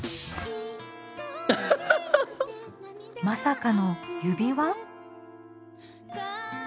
まさかの指輪？